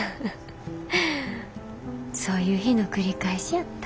そういう日の繰り返しやった。